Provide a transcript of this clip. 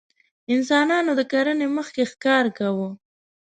انسانانو د کرنې مخکې ښکار کاوه.